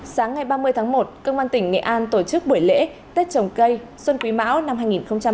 sáng ngày ba mươi tháng một công an tỉnh nghệ an tổ chức buổi lễ tết trồng cây xuân quý mão năm hai nghìn hai mươi